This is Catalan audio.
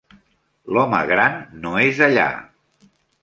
L'home gran no és allà.